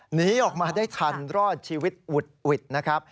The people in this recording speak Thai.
หนีออกมาได้ทันรอดชีวิตหวุดหวิดนะครับ